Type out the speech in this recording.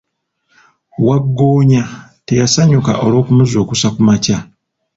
Wagggoonya teyasanyuka olw'okumuzuukusa ku makya.